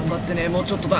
もうちょっとだ。